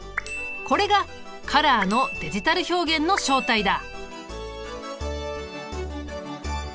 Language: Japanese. これがカラーのデジタル表現の正体だ。